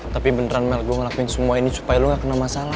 tapi beneran mel gue ngelakuin semua ini supaya lo gak kena masalah